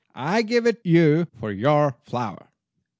I give it you for your flour."